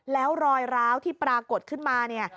แล้วรอยร้าวที่ปรากฏขึ้นมาเนี่ย